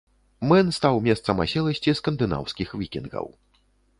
Мэн стаў месцам аселасці скандынаўскіх вікінгаў.